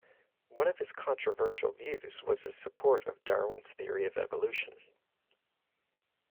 One of his controversial views was his support of Darwin's theory of evolution.